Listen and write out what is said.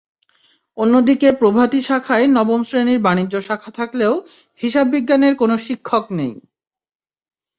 অন্যদিকে প্রভাতি শাখায় নবম শ্রেণির বাণিজ্য শাখা থাকলেও হিসাববিজ্ঞানের কোনো শিক্ষক নেই।